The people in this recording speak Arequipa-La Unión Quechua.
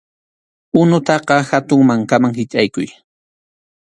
Unutaqa hatun mankaman hichʼaykuy.